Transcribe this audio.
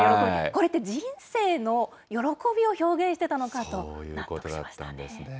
これって人生の喜びを表現してたのかと、納得しましたね。